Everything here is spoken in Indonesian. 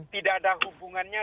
tidak ada hubungannya